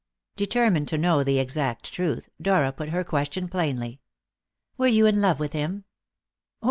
Determined to know the exact truth, Dora put her question plainly: "Were you in love with him?"